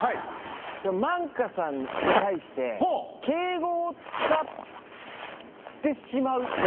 万華さんに対して、敬語を使ってしまう。